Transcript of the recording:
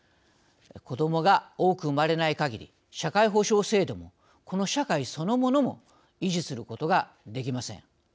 子どもが多く産まれないかぎり社会保障制度もこの社会そのものも維持することができません。